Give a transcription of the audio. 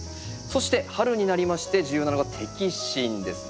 そして春になりまして重要なのが摘心ですね。